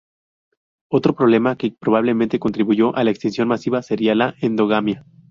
Otro problema que probablemente contribuyó a la extinción masiva sería la endogamia.